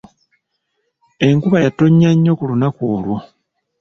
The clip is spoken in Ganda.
Enkuba yatonnya nnyo ku lunaku olwo.